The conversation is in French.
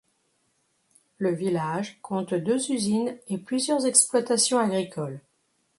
Le village compte deux usines et plusieurs exploitations agricoles.